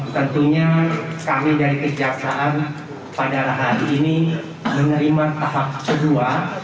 tentunya kami dari kejaksaan pada hari ini menerima tahap kedua